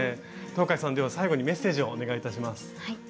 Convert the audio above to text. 東海さんでは最後にメッセージをお願いいたします。